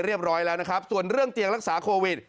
เรียบร้อยแล้วนะครับส่วนเรื่องเตียงรักษาโควิด